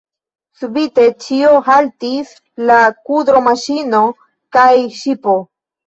Subite ĉio haltis: la kudromaŝino kaj la ŝipo.